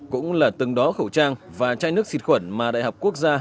cũng là từng đó khẩu trang và chai nước xịt khuẩn mà đại học quốc gia